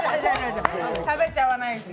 食べちゃわないです